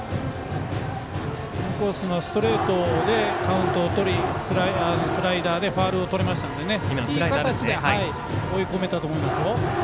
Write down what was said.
インコースのストレートでカウントをとりスライダーでファウルをとりましたのでいい形で追い込めたと思います。